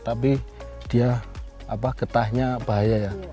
tapi dia getahnya bahaya ya